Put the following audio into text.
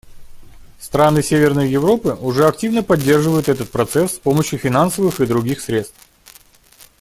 Страны Северной Европы уже активно поддерживают этот процесс с помощью финансовых и других средств.